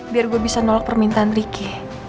biar gua bisa nolak permintaan riki